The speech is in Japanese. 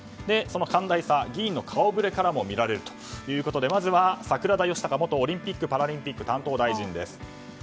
その寛大さ、議員の顔ぶれからも見られるということでまずは桜田義孝元オリンピック・パラリンピック担当大臣です。